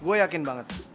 gue yakin banget